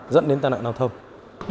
dẫn đến tai nạn giao thông